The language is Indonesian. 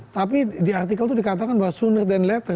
tapi di artikel itu dikatakan bahwa sooner than later